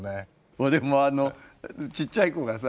俺もちっちゃい子がさ